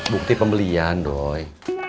bukti pembelian doi